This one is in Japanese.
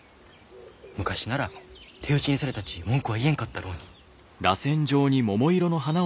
昔なら手討ちにされたち文句は言えんかったろうに。